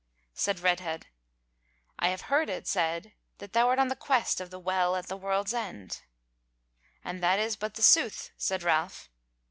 Said Redhead: "I have heard it said that thou art on the quest of the Well at the World's End." "And that is but the sooth," said Ralph.